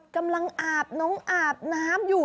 กำลังอาบน้องอาบน้ำอยู่